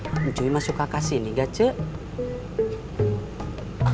kamu mau masuk kakak sini gak cuy